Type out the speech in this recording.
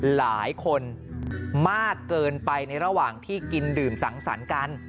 หลายคนมากเกินไปในระหว่างที่กินดื่มสังสรรค์กัน